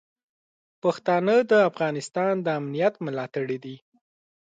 پښتانه د افغانستان د امنیت ملاتړي دي.